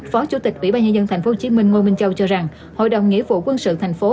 phó chủ tịch ủy ban nhân dân tp hcm ngô minh châu cho rằng hội đồng nghĩa vụ quân sự thành phố